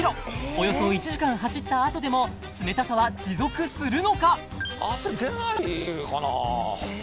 およそ１時間走ったあとでも冷たさは持続するのか？